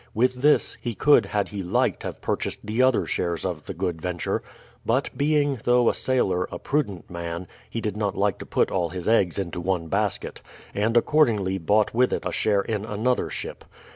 With this he could had he liked have purchased the other shares of the Good Venture; but being, though a sailor, a prudent man, he did not like to put all his eggs into one basket, and accordingly bought with it a share in another ship.